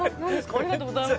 ありがとうございます